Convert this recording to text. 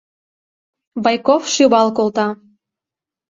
— Байков шӱвал колта.